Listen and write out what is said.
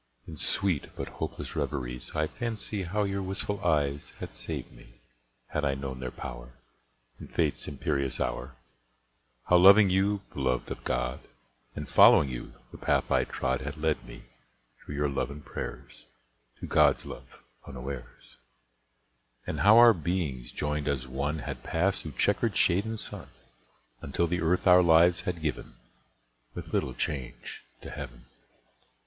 In sweet but hopeless reveries I fancy how your wistful eyes Had saved me, had I known their power In fate's imperious hour; How loving you, beloved of God, And following you, the path I trod Had led me, through your love and prayers, To God's love unawares: And how our beings joined as one Had passed through checkered shade and sun, Until the earth our lives had given, With little change, to heaven.